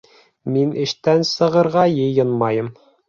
Мин эштән сығырға йыйынмайым